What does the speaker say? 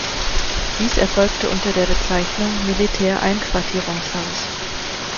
Dies erfolgte unter der Bezeichnung „Militär-Einquartierungshaus“.